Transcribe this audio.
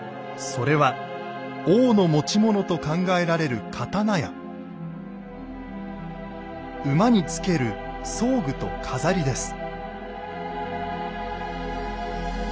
それは王の持ち物と考えられる刀や馬につける装具と飾りです。